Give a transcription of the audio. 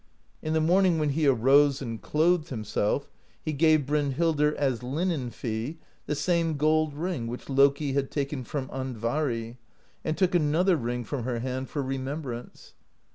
In the morning when he arose and clothed himself, he gave Brynhildr as linen fee the same gold ring which Loki had taken from Andvari, and took another ring from her hand for remembrance.